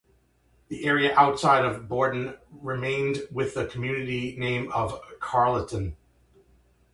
The area outside of Borden remained with the community name of Carleton.